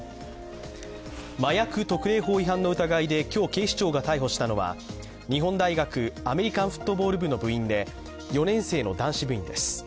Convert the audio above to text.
麻薬特例法違反の疑いで今日、警視庁が逮捕したのは日本大学アメリカンフットボール部の部員で４年生の男子部員です。